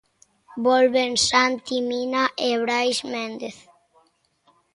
Volven Santi Mina e Brais Méndez.